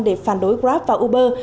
để phản đối grab và uber